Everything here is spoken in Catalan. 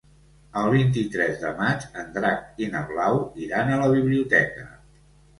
El vint-i-tres de maig en Drac i na Blau iran a la biblioteca.